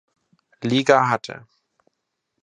Liga hatte.